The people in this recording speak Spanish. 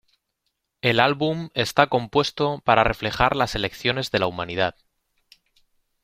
El álbum está compuesto para reflejar las elecciones de la humanidad.